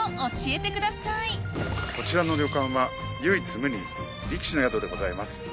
こちらの旅館は唯一無二力士の宿でございます。